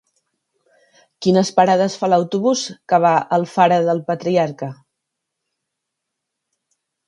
Quines parades fa l'autobús que va a Alfara del Patriarca?